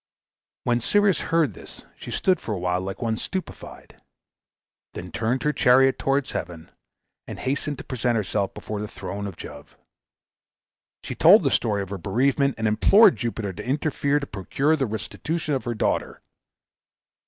When Ceres heard this, she stood for a while like one stupefied; then turned her chariot towards heaven, and hastened to present herself before the throne of Jove. She told the story of her bereavement, and implored Jupiter to interfere to procure the restitution of her daughter.